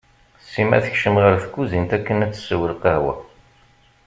Sima tekcem ɣer tkuzint akken ad tessew lqahwa.